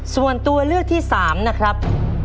ส่วนตัวเลือกที่๓นะครับ